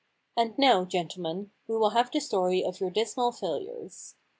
And now, gentlemen, we will have the story of your dismal failures.